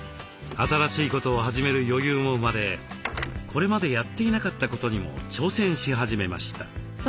新しいことを始める余裕も生まれこれまでやっていなかったことにも挑戦し始めました。